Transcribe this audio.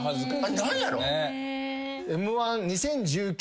何やろ。